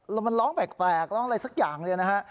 แล้วมันร้องแปลกร้องอะไรสักอย่างเลยนะฮะ